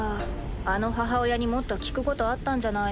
あの母親にもっと聞くことあったんじゃないの？